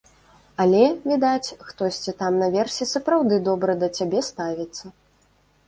Але, відаць, хтосьці там наверсе сапраўды добра да цябе ставіцца.